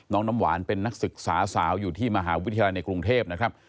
น้ำหวานเป็นนักศึกษาสาวอยู่ที่มหาวิทยาลัยในกรุงเทพนะครับ